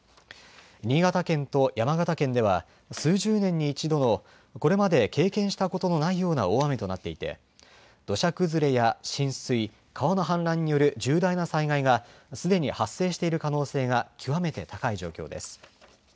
新潟県と山形県では数十年に一度のこれまで経験したことのないような大雨となっていて土砂崩れや浸水川の氾濫による重大な災害がすでに発生している可能性が極めて高い状況です。